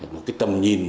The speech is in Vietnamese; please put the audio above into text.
một cái tầm nhìn